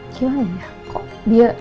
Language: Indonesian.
gimana ya kok dia